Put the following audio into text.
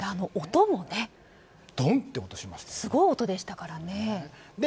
音もね、すごい音でしたからね。